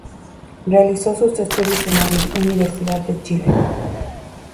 Realizó sus estudios en la Universidad de Chile.